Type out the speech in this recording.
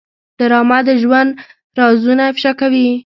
ډرامه د ژوند رازونه افشا کوي